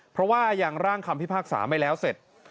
เพราะว่ายังร่างคำพิพากษาไม่แล้วเสร็จ